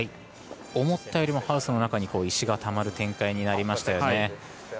思ったよりもハウスの中に石がたまる展開になりましたよね。